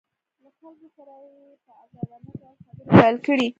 له خلکو سره یې په ازادانه ډول خبرې پیل کړې